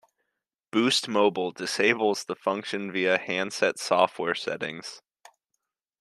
Boost Mobile disables the function via handset software settings.